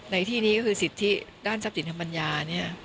ในที่นี่ก็คือสิทธิด้านทรัพย์สินธรรมนิยา